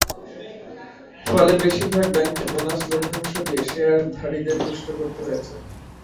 ফলে বেশির ভাগ ব্যাংককে বোনাস লভ্যাংশ দিয়ে শেয়ারধারীদের তুষ্ট করতে হয়েছে।